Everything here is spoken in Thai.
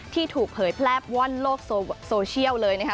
ถูกเผยแพร่ว่อนโลกโซเชียลเลยนะคะ